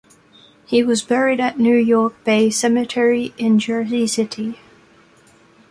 He was buried at New York Bay Cemetery in Jersey City.